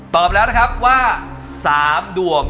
ตอบแล้วนะครับว่า๓ดวง